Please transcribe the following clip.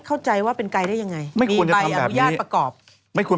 เอาสิคะ